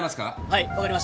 はい。